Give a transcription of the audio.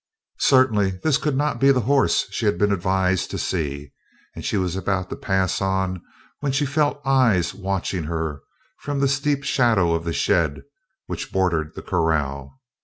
Certainly this could not be the horse she had been advised to see and she was about to pass on when she felt eyes watching her from the steep shadow of the shed which bordered the corral.